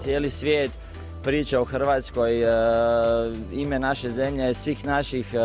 seluruh dunia berbicara tentang kroasia nama negara kita